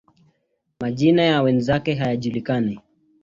Majina ya wenzake hayajulikani.